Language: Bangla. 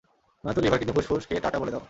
নয়তো, লিভার, কিডনি, ফুসফুস কে টা-টা বলে দাও।